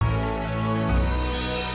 sampai jumpa lagi